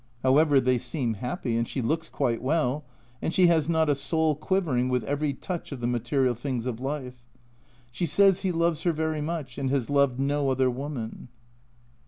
However, they seem happy, and she looks quite well, and she has not a soul quivering with every touch of the material things of life. She says he loves her very much, and has loved no other woman.